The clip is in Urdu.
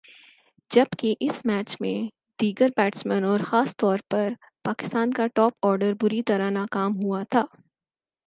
جبکہ اس میچ میں دیگر بیٹسمین اور خاص طور پر پاکستان کا ٹاپ آرڈر بری طرح ناکام ہوا تھا